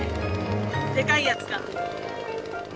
でかいやつが。